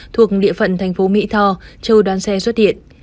thuộc địa phận thành phố mỹ tho trừ đoàn xe xuất hiện